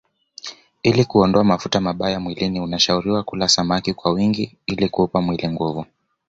Ili kuondoa mafuta mabaya mwilini unashauriwa kula samaki kwa wingi ili kuupa mwili nguvu